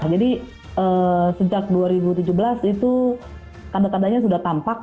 jadi sejak dua ribu tujuh belas itu kandak kandanya sudah tampak